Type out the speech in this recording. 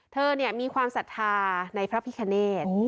เธอมีความศรัทธาในพระพิคเนต